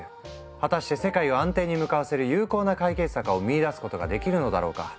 果たして世界を安定に向かわせる有効な解決策を見いだすことができるのだろうか。